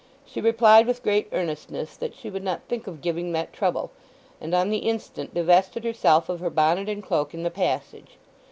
She replied with great earnestness that she would not think of giving that trouble, and on the instant divested herself of her bonnet and cloak in the passage.